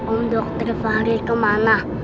om dokter fahri kemana